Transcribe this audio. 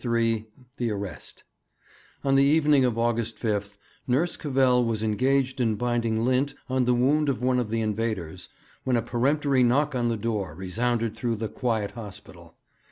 III THE ARREST On the evening of August 5 Nurse Cavell was engaged in binding lint on the wound of one of the invaders, when a peremptory knock on the door resounded through the quiet hospital.